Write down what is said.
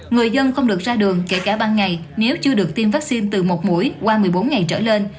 người dân không được ra đường kể cả ban ngày nếu chưa được tiêm vaccine từ một mũi qua một mươi bốn ngày trở lên